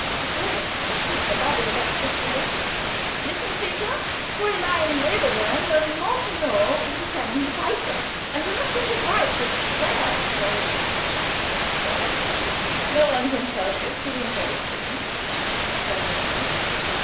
A chorus, a shriek, a Babel of expostulations. "Listen, Thekla! Fräulein Wedderburn does not know Lieutenant Pieper, and does not think it right to schwärm for him." "The darling! No one can help it who knows him!" said another.